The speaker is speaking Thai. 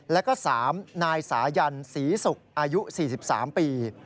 แล้วก็๓นายสายันศรีศุกร์อายุ๔๓ปี